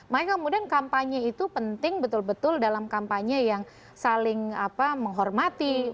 maka kemudian kampanye itu penting betul betul dalam kampanye yang saling menghormati